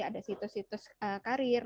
ada situs situs karyawan dan juga ada website